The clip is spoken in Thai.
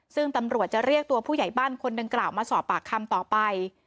ซึ่งตำรวจจะเรียกตัวผู้ใหญ่บ้านคนดังกล่าวมาสอบปากคำต่อไป